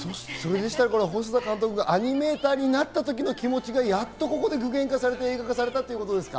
細田監督がアニメーターになったときの気持ちがここで具現化されて映画化されたということですか？